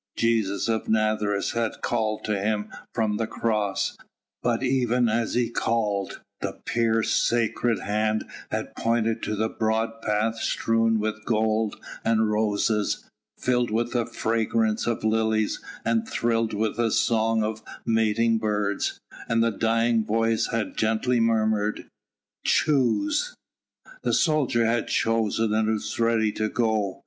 Jesus of Nazareth had called to him from the Cross, but even as He called, the pierced, sacred hand had pointed to the broad path strewn with gold and roses, filled with the fragrance of lilies and thrilled with the song of mating birds: and the dying voice had gently murmured: "Choose!" The soldier had chosen and was ready to go.